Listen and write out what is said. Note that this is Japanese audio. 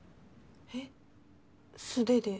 え素手で。